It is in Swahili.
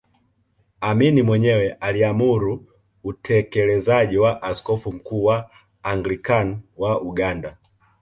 Amin mwenyewe aliamuru utekelezaji wa Askofu Mkuu wa Anglican wa Uganda